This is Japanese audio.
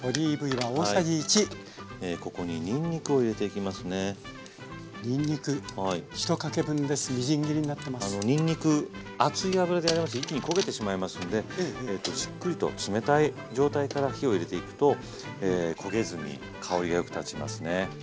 あのにんにく熱い油でやりますと一気に焦げてしまいますんでじっくりと冷たい状態から火を入れていくと焦げずに香りがよく立ちますね。